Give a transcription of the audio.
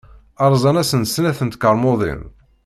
Rẓan-asen snat n tqermudin.